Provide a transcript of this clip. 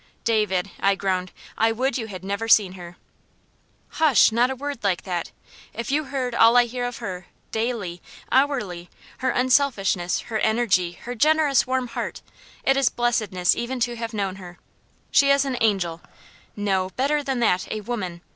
"David," I groaned, "I would you had never seen her." "Hush! not a word like that. If you heard all I hear of her daily hourly her unselfishness, her energy, her generous, warm heart! It is blessedness even to have known her. She is an angel no, better than that, a woman!